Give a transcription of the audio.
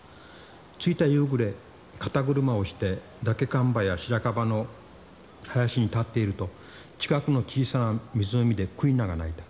着いた夕暮れ肩車をしてダケカンバやシラカバの林に立っていると近くの小さな湖でクイナが鳴いた。